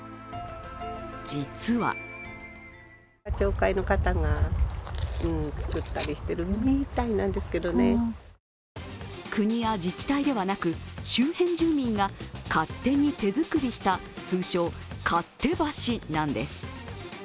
実は国や自治体ではなく周辺住民が勝手に手づくりした通称、勝手橋なんです。